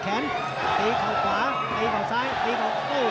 หรือว่าผู้สุดท้ายมีสิงคลอยวิทยาหมูสะพานใหม่